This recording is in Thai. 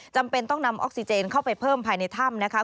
จำเป็นต้องนำออกซิเจนเข้าไปเพิ่มภายในถ้ำนะคะ